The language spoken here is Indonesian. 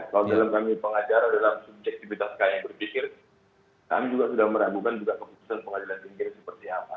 kalau dalam kami pengacara dalam subjektivitas kami berpikir kami juga sudah meragukan juga keputusan pengadilan tinggi seperti apa